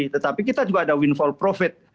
tetapi kita juga ada windfall profit